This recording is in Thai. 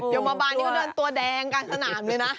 โยมบาลนี่ก็ตัวแดงกลางสนามเลยนะ